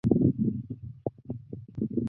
原产于印度尼西亚爪哇岛和马来西亚等地。